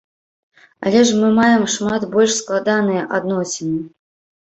Але ж мы маем шмат больш складаныя адносіны.